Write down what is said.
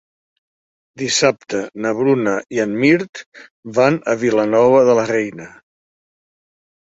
Dissabte na Bruna i en Mirt van a Vilanova de la Reina.